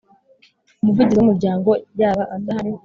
umuvugizi w Umuryango yaba adahari